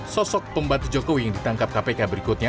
sosok pembantu jokowi yang ditangkap kpk berikutnya